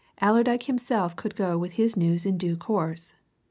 Allerdyke himself could go with his news in due course.